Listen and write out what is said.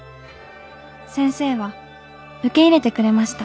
先生は受け入れてくれました」。